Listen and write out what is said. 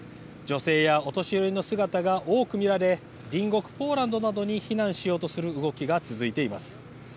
女性やお年寄りの姿が多く見られ隣国ポーランドなどに避難しようとする動きが続いています。